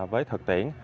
với thực tiễn